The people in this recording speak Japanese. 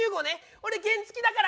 俺原付だから。